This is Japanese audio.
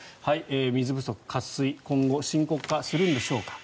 水不足、渇水今後、深刻化するんでしょうか。